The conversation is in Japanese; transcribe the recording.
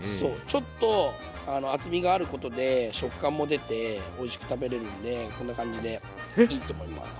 ちょっと厚みがあることで食感も出ておいしく食べれるんでこんな感じでいいと思います。